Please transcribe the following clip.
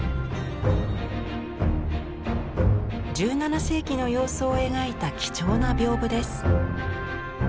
１７世紀の様子を描いた貴重な屏風です。